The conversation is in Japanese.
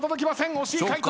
惜しい回答。